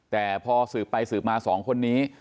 แต่พอสืบไปสืบมา๒คนนี้